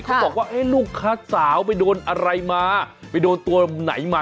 บอกว่าลูกค้าสาวไปโดนอะไรมาไปโดนตัวไหนมา